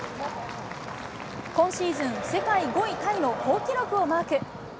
今シーズン世界５位タイの好記録をマーク。